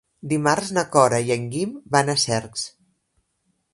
Dimarts na Cora i en Guim van a Cercs.